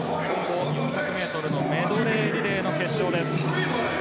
４００ｍのメドレーリレーの決勝です。